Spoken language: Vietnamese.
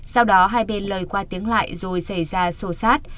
sau đó hai bên lời qua tiếng lại rồi xảy ra sổ sát